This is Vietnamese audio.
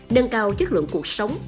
nâng cao chất lượng cuộc sống